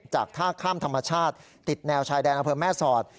จากท่าข้ามธรรมชาติติดแนวชายแดนอำเภอแม่สอด